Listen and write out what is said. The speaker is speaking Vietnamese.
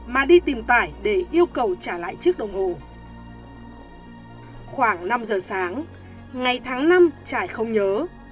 mà đi tìm tải để yêu cầu trả lại chiếc đồng hồ khoảng năm giờ sáng ngày tháng năm trải không nhớ